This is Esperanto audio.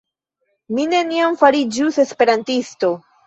Mi neniam fariĝus Esperantisto